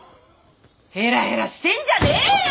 ヘラヘラしてんじゃねえよ！